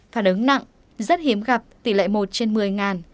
phản ứng nặng rất hiếm gặp tỷ lệ một trên một mươi